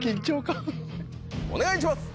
お願いします！